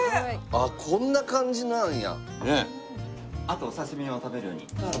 あっこんな感じなんや。